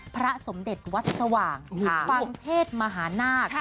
พระสมเด็จวัดสว่างฟังเทศมหานาค